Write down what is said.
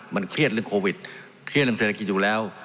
มันเครียดเรื่องโควิดเครียดเรื่องเศรษฐกิจอยู่แล้ว